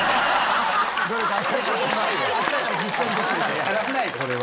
やらないこれは。